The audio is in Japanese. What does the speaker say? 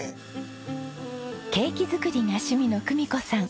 ケーキ作りが趣味の久美子さん。